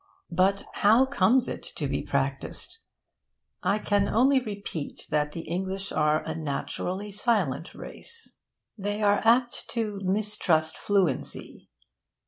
But how comes it to be practised? I can only repeat that the English are a naturally silent race. They are apt to mistrust fluency.